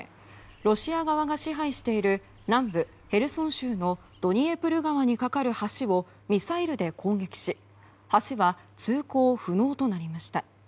ロシア側が支配している南部ヘルソン州のドニエプル川に架かる橋をミサイルで攻撃し橋は通行不能となりました。